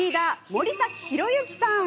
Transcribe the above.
森崎博之さん。